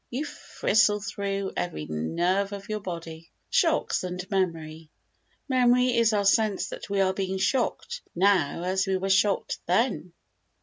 You fristle through every nerve of your body. Shocks and Memory Memory is our sense that we are being shocked now as we were shocked then.